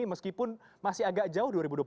meskipun masih agak jauh dua ribu dua puluh